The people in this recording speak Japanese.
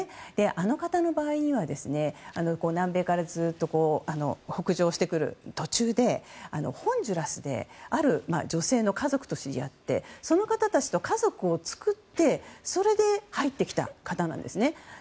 あの方の場合には南米からずっと北上してくる途中でホンジュラスである女性の家族と知り合ってその方たちと家族を作ってそれで入ってきた方なんですね。